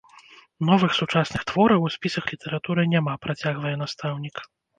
Новых сучасных твораў у спісах літаратуры няма, працягвае настаўнік.